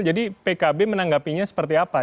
jadi pkb menanggapinya seperti apa